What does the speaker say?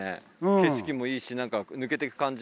景色もいいし抜けてく感じも。